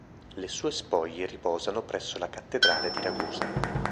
Le sue spoglie riposano presso la Cattedrale di Ragusa.